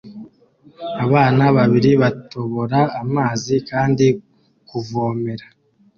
Abana babiri batobora amazi kandi kuvomera